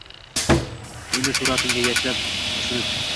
Endi suratimga yasha isinib.